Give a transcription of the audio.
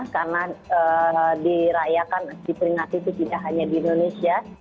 karena dirayakan diperingati itu tidak hanya di indonesia